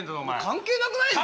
関係なくない！